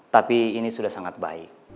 tapi ini sudah sangat baik